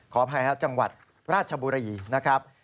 ขออภัยครับจังหวัดราชบุรีนะครับ